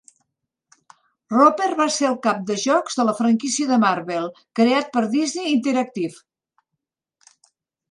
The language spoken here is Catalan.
Roper va ser el cap de jocs de la franquícia de Marvel creat per Disney Interactive.